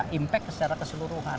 tidak impact secara keseluruhan